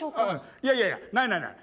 いやいやいやないないない。